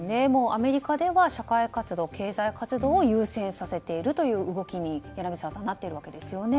アメリカでは社会活動経済活動を優先させているという動きに柳澤さん、なっているわけですね。